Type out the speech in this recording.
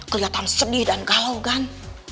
keliatan sedih dan galau gan